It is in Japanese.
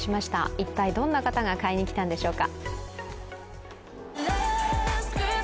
一体どんな方が買いに来たんでしょうか。